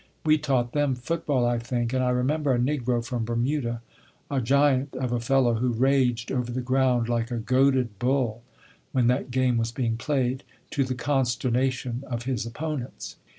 We taught them football, I think, and I remember a negro from Bermuda, a giant of a fellow who raged over the ground like a goaded bull when that game was being played, to the consternation of his opponents.